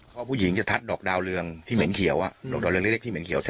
เพราะผู้หญิงจะทัดดอกดาวเรืองที่เหม็นเขียวดอกดาวเรืองเล็กที่เหม็นเขียว